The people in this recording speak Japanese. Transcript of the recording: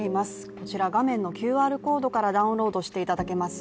こちら画面のＱＲコードからダウンロードしていただけます